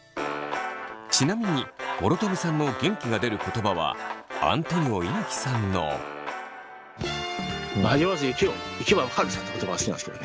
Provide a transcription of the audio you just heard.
ちなみに諸富さんの元気が出る言葉はアントニオ猪木さんの。という言葉が好きなんですけどね